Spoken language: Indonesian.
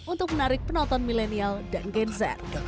untuk menarik penonton milenial dan gen z